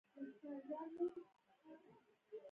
د خاورو مختلف لوښي په کومه سیمه کې جوړیږي.